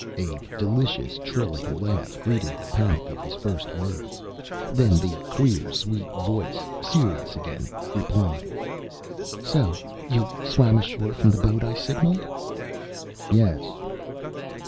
A delicious, trilling laugh greeted the panic of his first words. Then the clear, sweet voice, serious again, replied, "So you swam ashore from the boat I signaled?" "Yes."